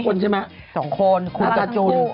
๒คนใช่ไหม๒คนมาลังจน